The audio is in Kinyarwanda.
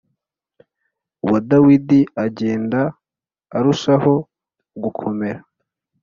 wa Dawidi agenda arusha ho gukomera